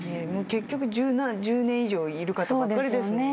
結局１０年以上いる方ばっかり。